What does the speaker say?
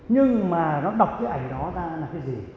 nhưng mà nó đọc cái ảnh đó ra là cái gì